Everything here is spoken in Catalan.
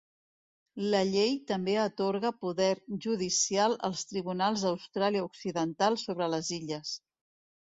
La llei també atorga poder judicial als tribunals d"Austràlia Occidental sobre les illes.